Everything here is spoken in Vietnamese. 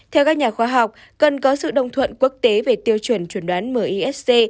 theo các nhà khoa học cần có sự đồng thuận quốc tế về tiêu chuẩn chuẩn đoán misc